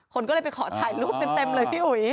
คนก็เลยไปขอถ่ายรูปเต็มเลยพี่อุ๋ย